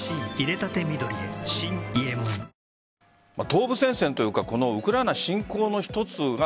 東部戦線というかこのウクライナ侵攻の一つが